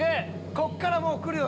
こっからもう来るよ